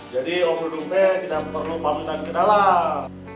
jadi om dudung teh tidak perlu pamitkan kita lah